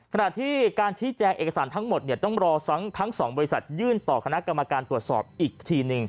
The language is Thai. ขณะที่การชี้แจงเอกสารทั้งหมดเนี่ยต้องรอทั้ง๒บริษัทยื่นต่อคณะกรรมการตรวจสอบอีกทีหนึ่ง